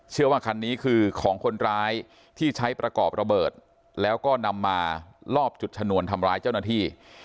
ว่าคันนี้คือของคนร้ายที่ใช้ประกอบระเบิดแล้วก็นำมาลอบจุดชนวนทำร้ายเจ้าหน้าที่